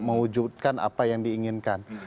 menunjukkan apa yang diinginkan